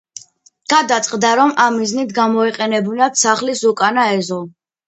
გადაწყდა, რომ ამ მიზნით გამოეყენებინათ სახლის უკანა ეზო.